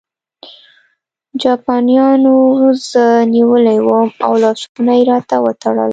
جاپانیانو زه نیولی وم او لاسونه یې راته وتړل